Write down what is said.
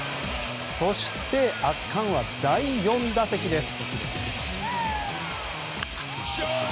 そして、圧巻は第４打席です。